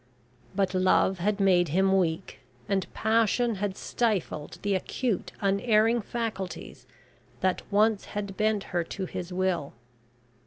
But love had made him weak, and passion had stifled the acute, unerring faculties that once had bent her to his will.